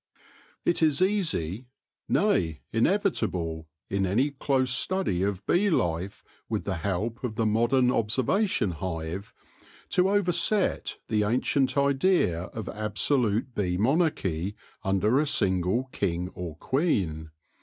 It is easy — nay, inevitable — in any close study of bee life with the help of the modern observation hive, to overset the ancient idea of absolute bee monarchy under a single king or queen.